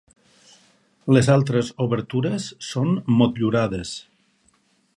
Les altres obertures són motllurades.